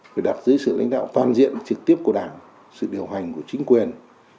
phải đặt dưới sự lãnh đạo toàn diện trực tiếp của đảng sự điều hành của chính quyền